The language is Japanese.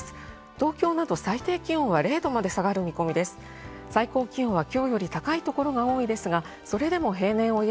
東京など最低気温は０度まで下がる見込みです。